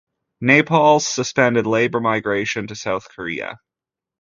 Nepal suspended labour migration to South Korea.